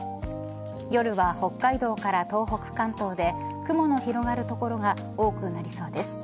夜は北海道から東北、関東で雲の広がる所が多くなりそうです。